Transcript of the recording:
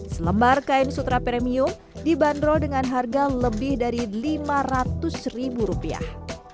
selembar kain sutra premium dibanderol dengan harga lebih dari lima ratus ribu rupiah